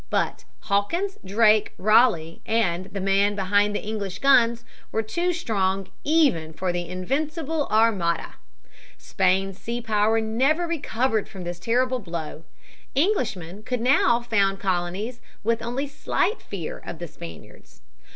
But Hawkins, Drake, Ralegh, and the men behind the English guns were too strong even for the Invincible Armada. Spain's sea power never recovered from this terrible blow. Englishmen could now found colonies with slight fear of the Spaniards.